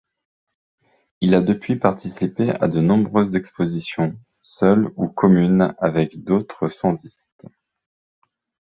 Il a depuis participé à de nombreuses expositions, seul ou communes avec d'autres sanzistes.